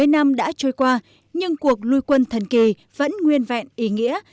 bảy mươi năm đã trôi qua nhưng cuộc nuôi quân thần kỳ vẫn nguyên vẹn ý nghĩa